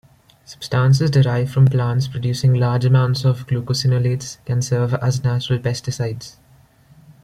Substances derived from plants producing large amounts of glucosinolates can serve as natural pesticides.